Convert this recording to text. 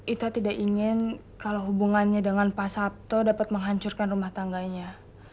ita tidak ingin kalau hubungannya dengan pak sabto dapat menghancurkan rumah tangganya